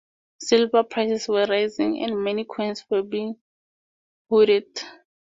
Silver prices were rising, and many coins were being hoarded.